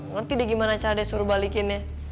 ngeri deh gimana cara dia suruh balikinnya